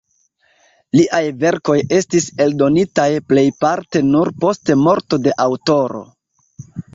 Liaj verkoj estis eldonitaj plejparte nur post morto de aŭtoro.